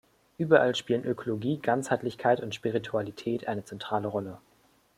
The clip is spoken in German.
Überall spielen Ökologie, Ganzheitlichkeit und Spiritualität eine zentrale Rolle.